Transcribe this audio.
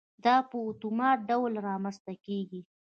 دا په اتومات ډول رامنځته کېږي.